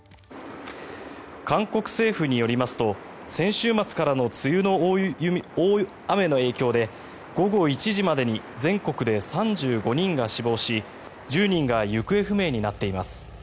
韓国政府によりますと先週末からの梅雨の大雨の影響で午後１時までに全国で３５人が死亡し１０人が行方不明になっています。